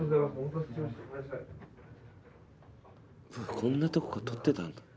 「こんなとこから撮ってたんだ」